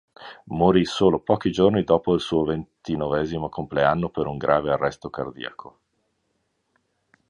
Morì solo pochi giorni dopo il suo ventinovesimo compleanno per un grave arresto cardiaco.